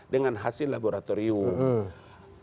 dengan hasil laboratorium